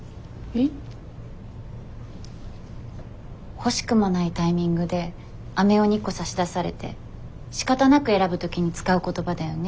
欲しくもないタイミングであめを２個差し出されてしかたなく選ぶ時に使う言葉だよね